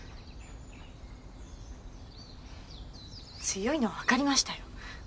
強いのはわかりましたよ。